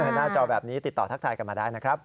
หน้าจอแบบนี้ติดต่อทักทายกันมาได้นะครับ